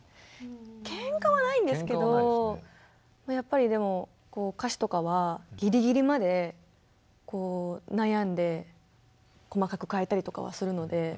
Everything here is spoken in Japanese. けんかはないんですけどやっぱりでも歌詞とかはギリギリまでこう悩んで細かく変えたりとかはするので。